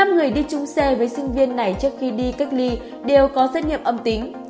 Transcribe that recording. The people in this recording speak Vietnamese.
năm người đi chung xe với sinh viên này trước khi đi cách ly đều có xét nghiệm âm tính